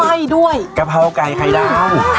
และกะเพราไก่ไข่ดาว